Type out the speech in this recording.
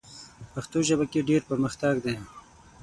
پښتو ژبه کې ډېر پرمختګ دی.